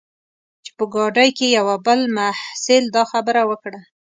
چې په ګاډۍ کې یوه بل محصل دا خبره وکړه.